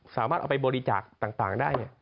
สามารถเอาไปบริจาคต่างได้